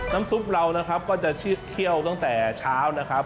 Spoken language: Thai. ซุปเรานะครับก็จะเคี่ยวตั้งแต่เช้านะครับ